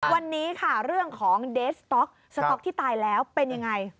วันนี้ค่ะเรื่องของเดสต๊อกสต๊อกที่ตายแล้วเป็นยังไง